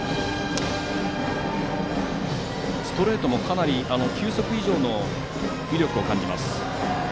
ストレートもかなり球速以上の威力を感じます。